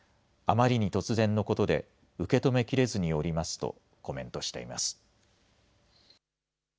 あまりに突然のことで受け止めきれずにおりますとコメントしています。